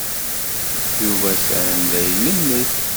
Yuba atan la ilemmed.